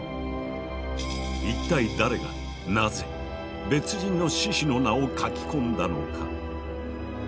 一体誰がなぜ別人の志士の名を書き込んだのか？